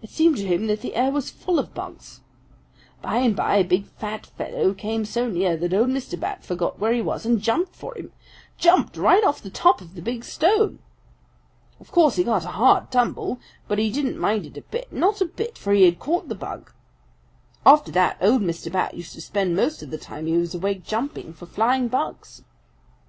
It seemed to him that the air was full of bugs. By and by a big fat fellow came so near that old Mr. Bat forgot where he was and jumped for him jumped right off: the top of the big stone. Of course he got a hard tumble, but he didn't mind it a bit, not a bit, for he had caught the bug. After that, old Mr. Bat used to spend most of the time he was awake jumping for flying bugs.